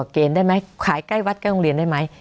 ขายใกล้วัดใกล้โรงเรียนได้ไหม